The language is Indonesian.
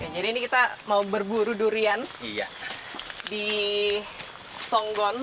jadi ini kita mau berburu durian di songgon